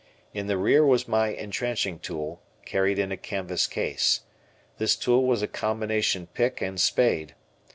In the rear was my entrenching tool, carried in a canvas case. This tool was a combination pick and spade.